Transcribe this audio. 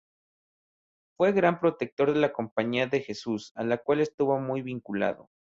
Fue gran protector de la Compañía de Jesús, a la cual estuvo muy vinculado.